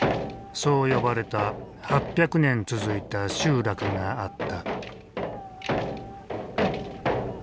そう呼ばれた８００年続いた集落があった。